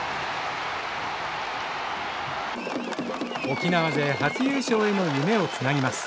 沖縄勢初優勝への夢をつなぎます。